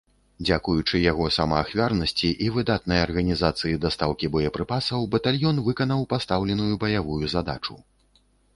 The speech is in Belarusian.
Дзякуючы яго самаахвярнасці і выдатнай арганізацыі дастаўкі боепрыпасаў батальён выканаў пастаўленую баявую задачу.